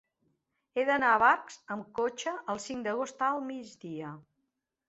He d'anar a Barx amb cotxe el cinc d'agost al migdia.